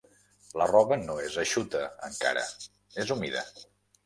La roba no és eixuta, encara: és humida.